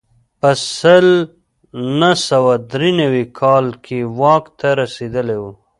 په سل نه سوه درې نوي کال کې واک ته رسېدلی و.